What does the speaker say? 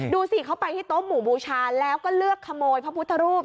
ดูสิเขาไปที่โต๊ะหมู่บูชาแล้วก็เลือกขโมยพระพุทธรูป